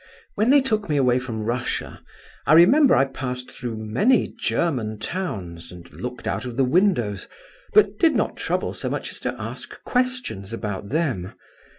"When they took me away from Russia, I remember I passed through many German towns and looked out of the windows, but did not trouble so much as to ask questions about them.